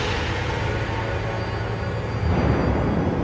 จ้าเฟีย